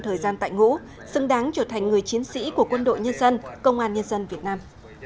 thời gian tại ngũ xứng đáng trở thành người chiến sĩ của quân đội nhân dân công an nhân dân việt nam